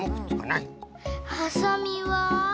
はさみは？